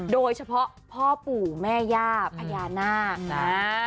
โดยเฉพาะพ่อปู่แม่ย่าพญานาค